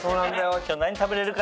今日何食べれるかな？